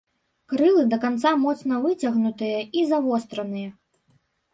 Крылы да канца моцна выцягнутыя і завостраныя.